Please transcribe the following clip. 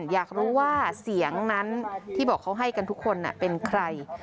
อยากรู้ว่าเสียงนั้นที่บอกเขาให้กันทุกคนเป็นใคร